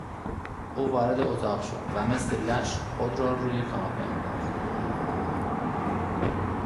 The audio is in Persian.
او وارد اتاق شد و مثل لش خود را روی کاناپه انداخت.